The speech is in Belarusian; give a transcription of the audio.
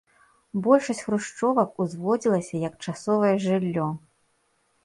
Большасць хрушчовак узводзілася як часовае жыллё.